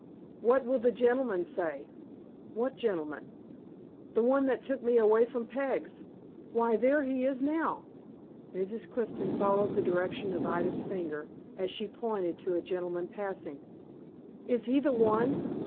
"What will the gentleman say?" "What gentleman?" "The one that took me away from Peg's. Why, there he is now!" Mrs. Clifton followed the direction of Ida's finger, as she pointed to a gentleman passing. "Is he the one?"